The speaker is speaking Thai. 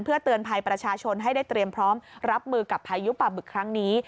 เพื่อเตือนภัยประชาชนให้ได้เตรียมพร้อมรับมือกับพายุป่าบึกครั้งนี้